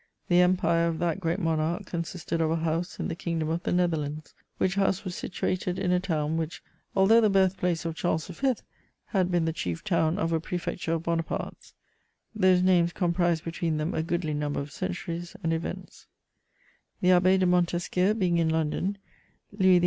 The empire of that great monarch consisted of a house in the Kingdom of the Netherlands, which house was situated in a town which, although the birthplace of Charles V., had been the chief town of a prefecture of Bonaparte's: those names comprise between them a goodly number of centuries and events. [Sidenote: And join his Ministry.] The Abbé de Montesquiou being in London, Louis XVIII.